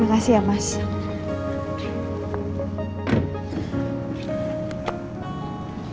jangan selalu allied kan